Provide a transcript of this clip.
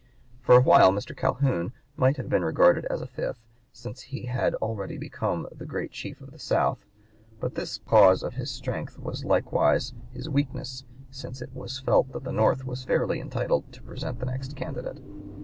For a while Mr. Calhoun might have been regarded as a fifth, since he had already become the great chief of the South; but this cause of his strength was likewise his weakness, since it was felt that the North was fairly entitled to present the next candidate.